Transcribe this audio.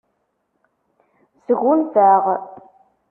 Sgunfaɣ.